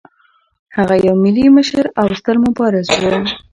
هغه یو ملي مشر او یو ستر مبارز و.